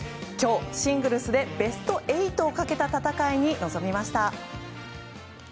今日、シングルスでベスト８をかけた戦いに臨みました。